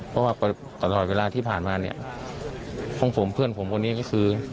เพราะว่าตลอดเวลาที่ผ่านมาเนี่ยห้องผมเพื่อนผมคนนี้ก็คือ